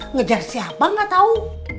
ngejar siapa gak tau